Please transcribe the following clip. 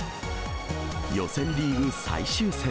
予選リーグ最終戦。